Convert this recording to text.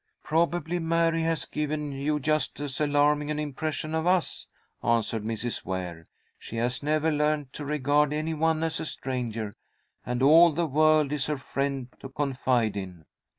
"Probably Mary has given you just as alarming an impression of us," answered Mrs. Ware. "She has never learned to regard any one as a stranger, and all the world is her friend to confide in."